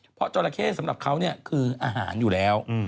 เพราะจราเข้สำหรับเขาคืออาหารอยู่แล้ว